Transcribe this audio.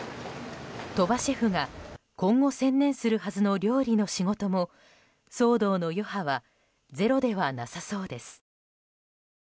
鳥羽シェフが今後、専念するはずの料理の仕事も騒動の余波はゼロではなさそうです。